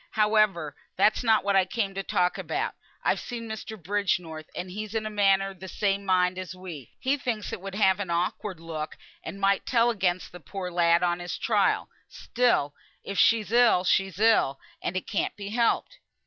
Howe'er, that's not what I came to talk about. I've seen Mr. Bridgenorth, and he is in a manner of the same mind as me; he thinks it would have an awkward look, and might tell against the poor lad on his trial; still if she's ill she's ill, and it can't be helped."